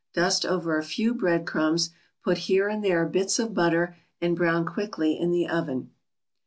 Dust over a few bread crumbs, put here and there bits of butter, and brown quickly in the oven.